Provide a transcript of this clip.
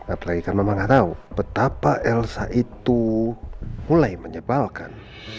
apalagi kan mama gak tau betapa elsa itu mulai menyebalkan